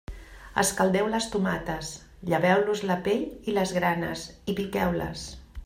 Escaldeu les tomates, lleveu-los la pell i les granes i piqueu-les.